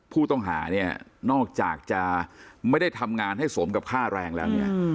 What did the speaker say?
ผู้ต้องหาเนี่ยนอกจากจะไม่ได้ทำงานให้สมกับค่าแรงแล้วเนี่ย